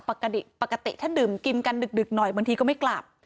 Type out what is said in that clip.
ปกติปกติถ้าดื่มกินกันดึกหน่อยบางทีก็ไม่กลับ